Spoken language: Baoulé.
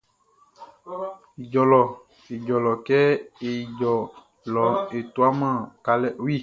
Ijɔ lɔ Ijɔ kɛ e ijɔ lɔ e tuaman sika.